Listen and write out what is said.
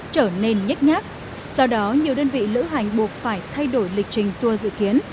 trở nên nhách nhác do đó nhiều đơn vị lữ hành buộc phải thay đổi lịch trình tour dự kiến